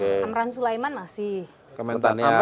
amran sulaiman masih kementerian